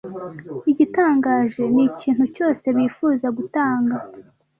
"Igitangaje, ni ikintu cyose bifuza gutanga."